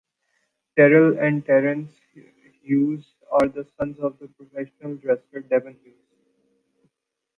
Terrell and Terrence Hughes are the sons of professional wrestler Devon Hughes.